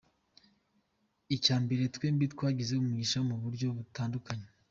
Icya mbere, twembi twagize umugisha mu buryo butandukanye.